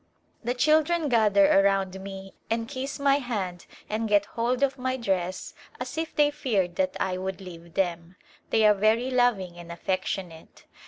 The children gather around me and kiss my hand A Gliyupse of India and eet hold of mv dress as if thev feared that I would leave them. Thev are very loving and affectionate.